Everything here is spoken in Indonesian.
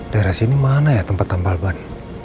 daerah sini mana ya tempat tambal ban